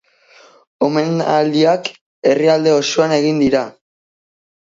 Omenaldiak herrialde osoan egin dira.